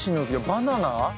バナナ？